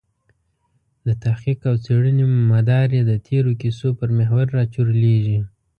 د تحقیق او څېړنې مدار یې د تېرو کیسو پر محور راچورلېږي.